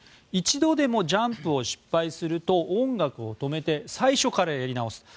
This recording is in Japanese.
一度でもジャンプを失敗すると音楽を止めて最初からやり直す。